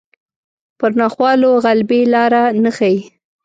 پر ناخوالو غلبې لاره نه ښيي